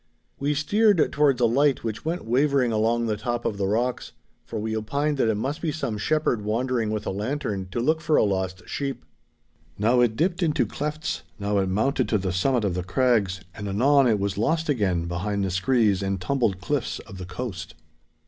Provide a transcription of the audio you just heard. We steered towards a light which went wavering along the top of the rocks, for we opined that it must be some shepherd wandering with a lantern to look for a lost sheep. Now it dipped into clefts, now it mounted to the summit of the crags, and anon it was lost again behind the screes and tumbled cliffs of the coast.